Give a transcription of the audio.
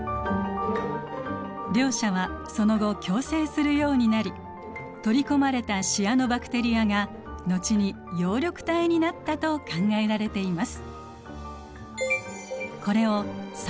両者はその後共生するようになり取り込まれたシアノバクテリアが後に葉緑体になったと考えられています。